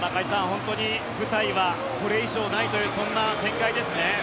本当に舞台はこれ以上ないというそんな展開ですね。